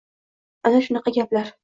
Ana shunaqa gaplar.